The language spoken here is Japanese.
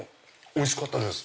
おいしかったです。